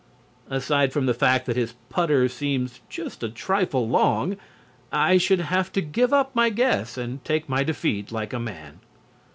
Aside from the fact that his putter seems just a trifle long, I should have to give up my guess and take my defeat like a man.